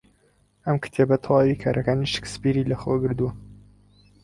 ئەم کتێبە تەواوی کارەکانی شکسپیری لەخۆ گرتووە.